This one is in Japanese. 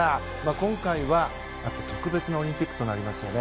今回は、また特別なオリンピックとなりますよね。